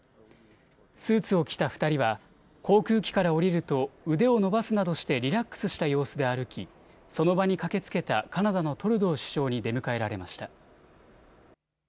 スーツを着た２人は航空機からおりると腕を伸ばすなどしてリラックスした様子で歩きその場に駆けつけたカナダのトルドー首相に出迎えられました。